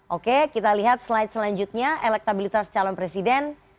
oke kita lihat slide selanjutnya elektabilitas calon presiden